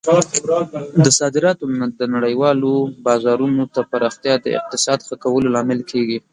د صادراتو د نړیوالو بازارونو ته پراختیا د اقتصاد ښه کولو لامل کیږي.